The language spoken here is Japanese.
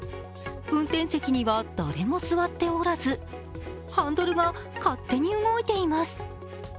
運転席には誰も座っておらずハンドルが勝手に動いています。